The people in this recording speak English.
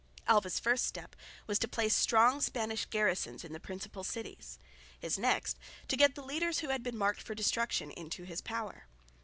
Alva's first step was to place strong Spanish garrisons in the principal cities, his next to get the leaders who had been marked for destruction into his power.